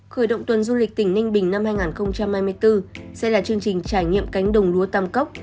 khởi động tuần du lịch tỉnh ninh bình năm hai nghìn hai mươi bốn sẽ là chương trình trải nghiệm cánh đồng lúa tam cốc